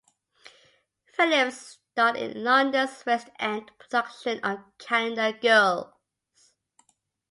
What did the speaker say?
Phillips starred in London's West End production of "Calendar Girls".